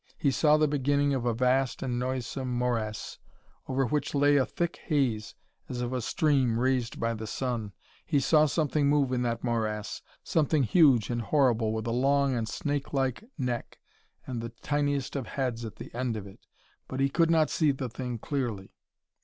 He saw the beginning of a vast and noisome morass, over which lay a thick haze as of a stream raised by the sun. He saw something move in that morass; something huge and horrible with a long and snake like neck and the tiniest of heads at the end of it. But he could not see the thing clearly.